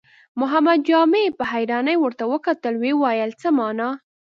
محمد جامي په حيرانۍ ورته وکتل، ويې ويل: څه مانا؟